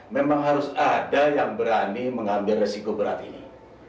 memang harus ada yang berani mengambil resiko berat ini